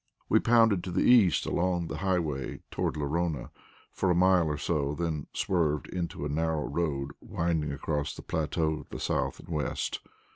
We pounded to the east, along the Highway, toward Lorona, for a mile or so, then swerved into a narrow road winding across the plateau to the south and west.